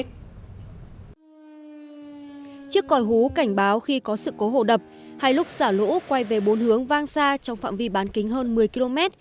chiếc còi hú cảnh báo khi có sự cố hồ đập hai lúc xả lũ quay về bốn hướng vang xa trong phạm vi bán kính hơn một mươi km